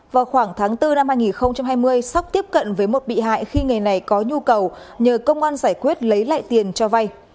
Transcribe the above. vào khoảng tháng bốn năm hai nghìn hai mươi sóc tiếp cận với một bị hại khi người này có nhu cầu nhờ công an giải quyết lấy lại tiền cho vay